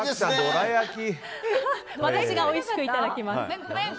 私がおいしくいただきます。